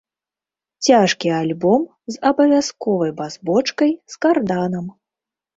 Цяжкі альбом з абавязковай бас-бочкай з карданам.